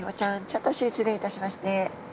ちょっと失礼いたしますね。